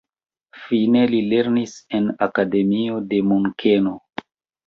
Fine li lernis en akademio de Munkeno.